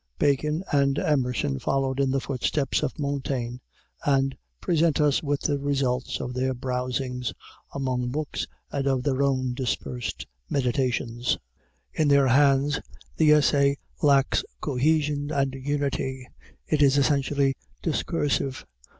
Bacon and Emerson followed in the footsteps of Montaigne, and present us with the results of their browsings among books and of their own dispersed meditations. In their hands the essay lacks cohesion and unity; it is essentially discursive.